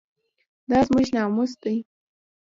دا زموږ ناموس دی؟